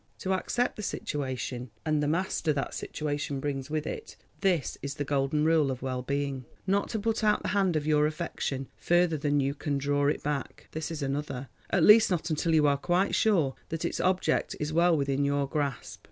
To accept the situation and the master that situation brings with it—this is the golden rule of well being. Not to put out the hand of your affection further than you can draw it back, this is another, at least not until you are quite sure that its object is well within your grasp.